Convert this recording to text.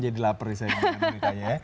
jadi lapar saya dengan menitanya